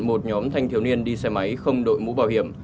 một nhóm thanh thiếu niên đi xe máy không đội mũ bảo hiểm